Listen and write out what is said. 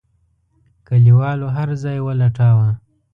کليوالو هرځای ولټاوه.